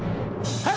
はい。